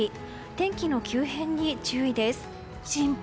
天気の急変に注意です。